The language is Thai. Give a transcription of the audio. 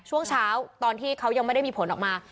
ช่วงเช้าตอนที่เขายังไม่ได้มีผลออกมา